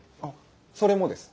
それもです。